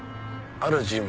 ある人物？